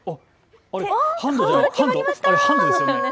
あれはハンドですよね。